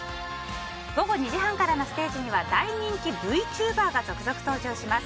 午後２時半からのステージには大人気Ｖチューバーが続々登場します。